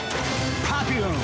「パピヨン！！」